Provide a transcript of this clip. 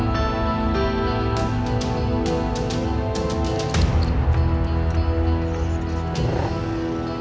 jangan pernah nyanyi sama dia